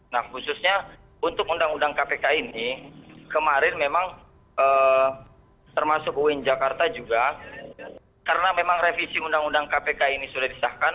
nah khususnya untuk undang undang kpk ini kemarin memang termasuk uin jakarta juga karena memang revisi undang undang kpk ini sudah disahkan